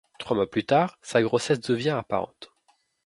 Trois mois plus tard, sa grossesse devient apparente.